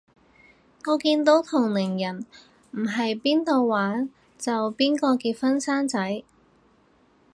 我見到同齡人唔係邊到玩就邊個結婚生仔